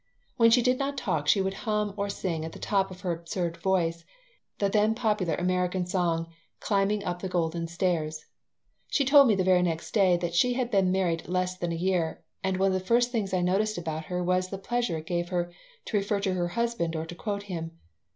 When she did not talk she would hum or sing at the top of her absurd voice the then popular American song "Climbing Up the Golden Stairs." She told me the very next day that she had been married less than a year, and one of the first things I noticed about her was the pleasure it gave her to refer to her husband or to quote him.